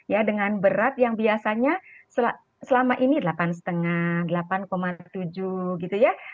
ya dengan berat yang biasanya selama ini delapan lima delapan tujuh gitu ya